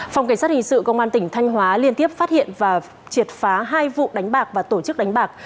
phòng cảnh sát hình sự công an tỉnh thanh hóa liên tiếp phát hiện và triệt phá hai vụ đánh bạc và tổ chức đánh bạc